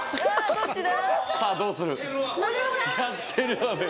どっちだ？